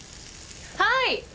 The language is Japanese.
はい。